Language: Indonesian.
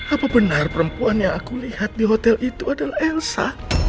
apa benar perempuan yang aku lihat di hotel itu adalah elsa